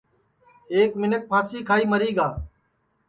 ایک منکھ پھانٚسی کھائی مری گا